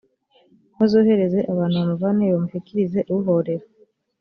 bazohereze abantu bamuvaneyo bamushyikirize uhorera